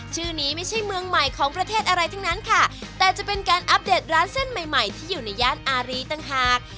ชื่อนี้ไม่ใช่เมืองใหม่ของประเทศอะไรทั้งนั้นค่ะแต่จะเป็นการอัปเดตร้านเส้นใหม่ใหม่ที่อยู่ในย่านอารีต่างหาก